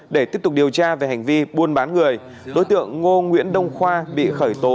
để tiếp tục điều tra về hành vi buôn bán người đối tượng ngô nguyễn đông khoa bị khởi tố